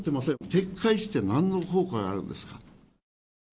撤回してなんの効果があるんですか。